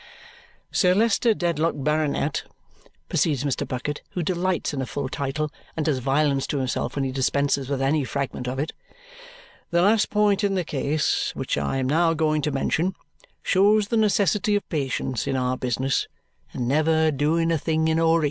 "Sir Leicester Dedlock, Baronet," proceeds Mr. Bucket, who delights in a full title and does violence to himself when he dispenses with any fragment of it, "the last point in the case which I am now going to mention shows the necessity of patience in our business, and never doing a thing in a hurry.